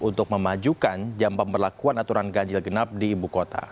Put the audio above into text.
untuk memajukan jam pemberlakuan aturan ganjil genap di ibu kota